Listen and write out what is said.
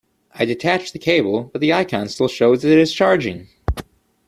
I detached the cable, but the icon still shows it is charging?